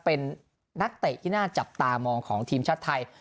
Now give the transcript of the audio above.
เป็นนักเตะที่น่าจับตามองของทีมชาติไทย